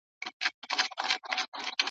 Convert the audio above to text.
په داسي پوچو الفاظو ,